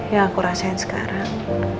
yang aku rasain sekarang